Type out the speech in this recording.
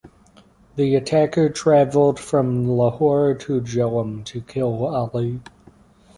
The attacker traveled from Lahore to Jhelum to kill Ali.